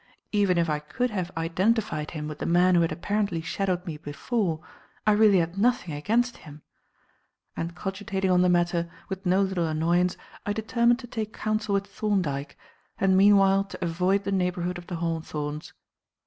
Even if I could have identified him with the man who had apparently shadowed me before, I really had nothing against him. And cogitating on the matter, with no little annoyance, I determined to take counsel with Thorndyke, and meanwhile to avoid the neighbourhood of "The Hawthorns."